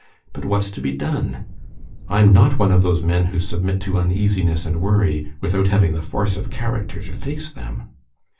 But what's to be done? I'm not one of those men who submit to uneasiness and worry without having the force of character to face them.